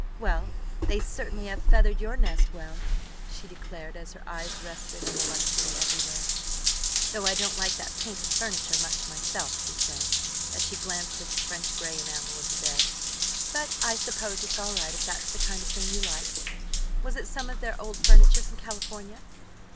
"Well, they certainly have feathered your nest well!" she declared as her eyes rested on the luxury everywhere. "Though I don't like that painted furniture much myself," she said as she glanced at the French gray enamel of the bed; "but I suppose it's all right if that's the kind of thing you like. Was it some of their old furniture from California?"